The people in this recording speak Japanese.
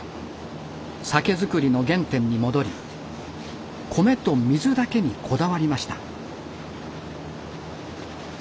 酒造りの原点に戻り米と水だけにこだわりました。